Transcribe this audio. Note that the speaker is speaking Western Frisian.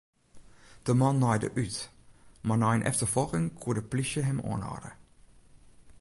De man naaide út, mar nei in efterfolging koe de plysje him oanhâlde.